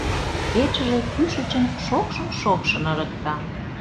Кечыже кӱшычын шокшын-шокшын ырыкта.